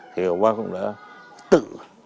thì bác cũng đã tự